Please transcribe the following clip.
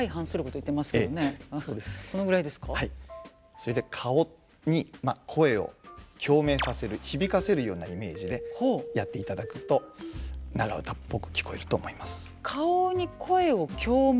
それで顔に声を共鳴させる響かせるようなイメージでやっていただくと長唄っぽく聞こえると思います。